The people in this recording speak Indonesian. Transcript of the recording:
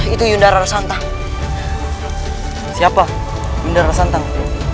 itu yunda rasantang siapa mendara santang